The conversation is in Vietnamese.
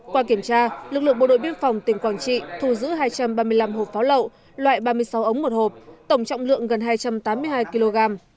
qua kiểm tra lực lượng bộ đội biên phòng tỉnh quảng trị thu giữ hai trăm ba mươi năm hộp pháo lậu loại ba mươi sáu ống một hộp tổng trọng lượng gần hai trăm tám mươi hai kg